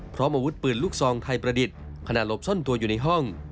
พร้อมอาวุธปืนลูกซองไทยประดิษฐ์ขณะหลบซ่อนตัวอยู่ในห้อง